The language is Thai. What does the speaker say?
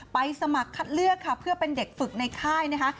สมัครคัดเลือกค่ะเพื่อเป็นเด็กฝึกในค่ายนะคะ